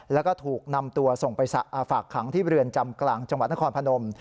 แล้วก็ถูกนำตัวส่งไปฝากขังที่เรือนจำกลางจังหวัดนครพนม